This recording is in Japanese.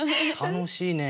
楽しいね。